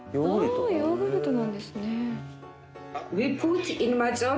あヨーグルトなんですね。